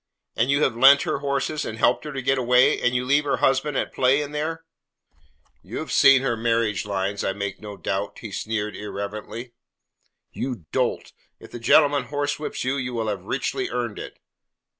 "And you have lent her horses and helped her to get away, and you leave her husband at play in there?" "You have seen her marriage lines, I make no doubt," he sneered irrelevantly. "You dolt! If the gentleman horsewhips you, you will have richly earned it."